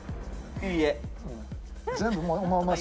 いいえ。